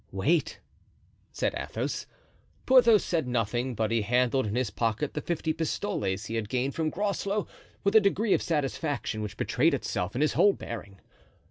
"Wait," said Athos. Porthos said nothing, but he handled in his pocket the fifty pistoles he had gained from Groslow with a degree of satisfaction which betrayed itself in his whole bearing.